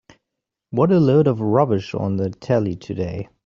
What a load of rubbish on the telly today.